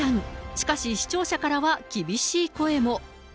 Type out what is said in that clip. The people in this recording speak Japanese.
しかし、視聴者からは厳しい声も。